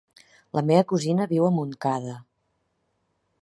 La meva cosina viu a Montcada.